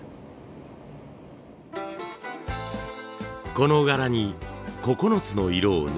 この柄に９つの色を塗ります。